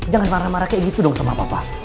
jangan marah marah kayak gitu dong sama papa